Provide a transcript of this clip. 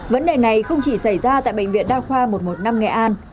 vấn đề này không chỉ xảy ra tại bệnh viện đa khoa một trăm một mươi năm nghệ an